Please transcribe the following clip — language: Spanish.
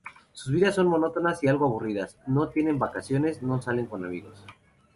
Sus vidas son monótonas y algo aburridas, no tienen vacaciones, no salen con amigos.